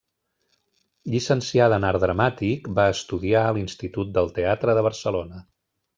Llicenciada en Art Dramàtic, va estudiar a l'Institut del Teatre de Barcelona.